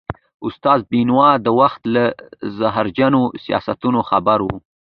استاد بينوا د وخت له زهرجنو سیاستونو خبر و.